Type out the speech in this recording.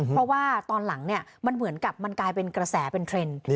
เพราะว่าตอนหลังเนี่ยมันเหมือนกับมันกลายเป็นกระแสเป็นเทรนด์